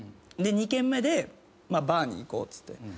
２軒目でバーに行こうっつって。